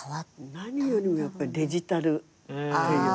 何よりもやっぱりデジタルっていうね。